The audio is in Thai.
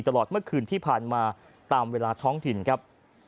ตลอดเมื่อคืนที่ผ่านมาตามเวลาท้องถิ่นครับ